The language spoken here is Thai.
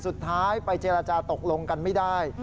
สุดท้ายไปเจรจาตกลงกันไม่ได้